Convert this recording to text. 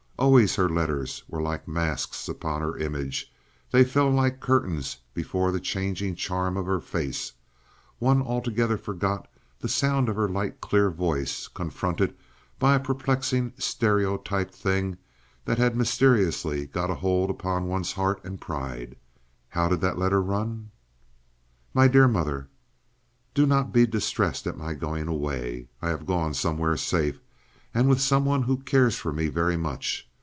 Always her letters were like masks upon her image; they fell like curtains before the changing charm of her face; one altogether forgot the sound of her light clear voice, confronted by a perplexing stereotyped thing that had mysteriously got a hold upon one's heart and pride. How did that letter run?— "MY DEAR MOTHER, "Do not be distressed at my going away. I have gone somewhere safe, and with some one who cares for me very much.